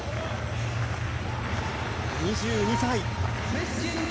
２２歳。